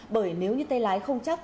bởi nếu như tay lái không chắc